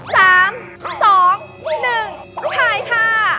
๓๒๑ถ่ายค่ะ